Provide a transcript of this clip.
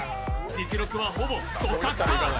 実力はほぼ互角か？